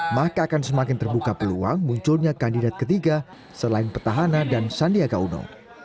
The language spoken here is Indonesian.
maka akan semakin terbuka peluang munculnya kandidat ketiga selain petahana dan sandiaga uno